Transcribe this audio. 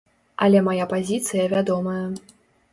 Але мая пазіцыя вядомая.